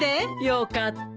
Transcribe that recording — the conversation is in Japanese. よかった！